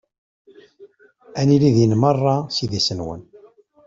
Ad nili din merra s idis-nwen.